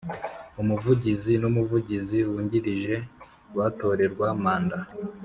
Umuvugizi n umuvugizi wungirije batorerwa manda